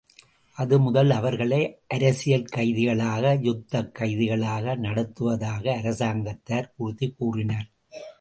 அது முதல் அவர்களை அரசியல் கைதிகளாக, யுத்தக் கைதிகளாக நடத்துவதாக அரசாங்கத்தார் உறுதி கூறினர்.